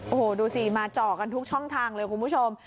โอ้โหดูสิมาเจาะกันทุกช่องทางเลยคุณผู้ชม